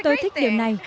tôi thích điểm này